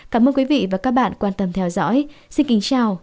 cảm ơn quý vị và các bạn quan tâm theo dõi xin kính chào và hẹn gặp lại